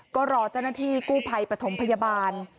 ก็รอเจ้าหน้าที่กู้ภัยปฐมพยาบาล